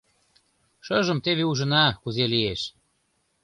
Шыжым теве ужына, кузе лиеш.